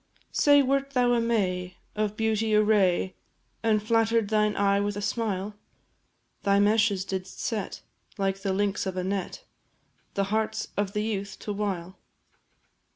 Say, wert thou a May, of beauty a ray, And flatter'd thine eye with a smile? Thy meshes didst set, like the links of a net, The hearts of the youth to wile?